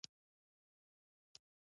سرحد د جنګ په وسیله تقویه کړي.